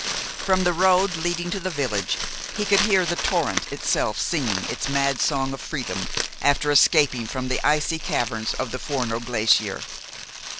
From the road leading to the village he could hear the torrent itself singing its mad song of freedom after escaping from the icy caverns of the Forno glacier.